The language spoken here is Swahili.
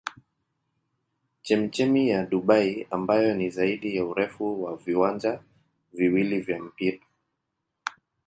Chemchemi ya Dubai ambayo ni zaidi ya urefu wa viwanja viwili vya mpira.